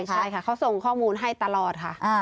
ใช่ค่ะเขาส่งข้อมูลให้ตลอดค่ะ